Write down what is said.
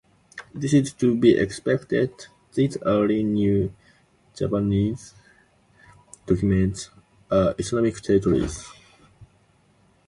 This is to be expected: these early New Javanese documents are Islamic treatises.